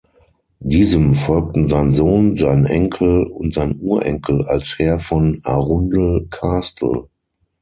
Diesem folgten sein Sohn, sein Enkel und sein Urenkel als Herr von Arundel Castle.